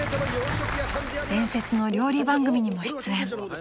［伝説の料理番組にも出演］